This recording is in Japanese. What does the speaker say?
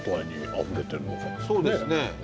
そうですね。